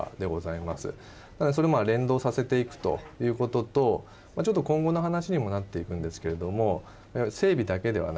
ただそれを連動させていくということとちょっと今後の話にもなっていくんですけれども整備だけではなくてですね